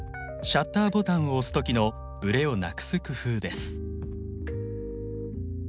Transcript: シャッターボタンを押す時のブレをなくす工夫です。